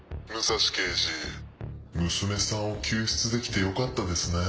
娘さんを救出できてよかったですね。